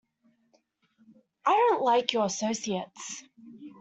I don't like your associates.